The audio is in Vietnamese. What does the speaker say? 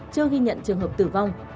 chưa ghi nhận trường hợp tử vong